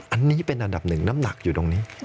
อันนี้เป็นอันดับหนึ่งน้ำหนักอยู่ตรงนี้